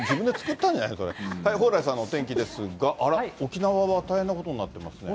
蓬莱さんのお天気ですが、あら、沖縄は大変なことになってますね。